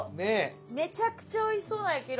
めちゃくちゃおいしそうな焼き色。